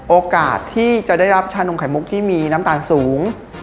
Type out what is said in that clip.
โอกาสที่จะได้รับชานมไข่มุกที่มีน้ำตาลสูง